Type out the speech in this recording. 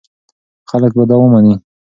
خلک به دا ومني.